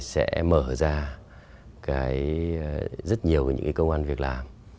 cuộc cách mạng này sẽ mở ra rất nhiều công an việc làm